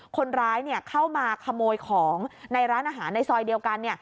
คนร้ายเข้ามาขโมยของในร้านอาหารในซอยเดียวกัน